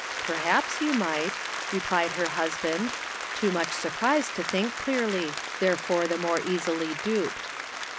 " Perhaps you might," replied , her husband, too much surprised to think clearly, therefore the more easily duped.